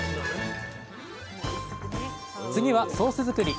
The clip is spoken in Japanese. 次はソース作り。